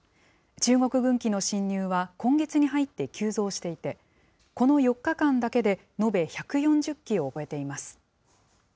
中国軍機の進入は今月に入って急増していて、この４日間だけで延べ１４０機を超えています。